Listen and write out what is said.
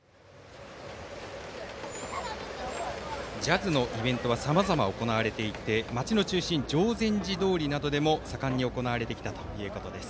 ジャズのイベントはさまざま行われていて街の中心などでも盛んに行われてきたということです。